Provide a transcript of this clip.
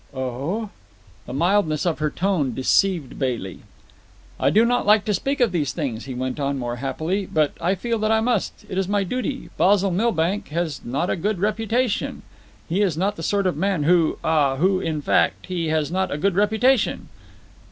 "Oh?" The mildness of her tone deceived Bailey. "I do not like to speak of these things," he went on more happily; "but I feel that I must. It is my duty. Basil Milbank has not a good reputation. He is not the sort of man who—ah—who—in fact, he has not a good reputation."